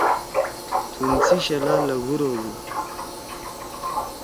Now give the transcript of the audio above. تُھن سی شلا لھگُور ہودو۔